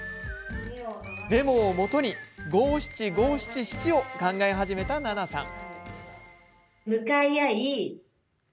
メモをもとに五七五七七を考え始めた奈々さん。